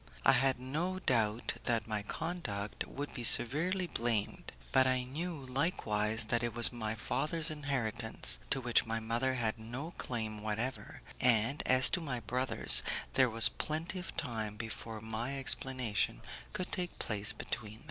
I had no doubt that my conduct would be severely blamed, but I knew likewise that it was my father's inheritance, to which my mother had no claim whatever, and, as to my brothers, there was plenty of time before any explanation could take place between us.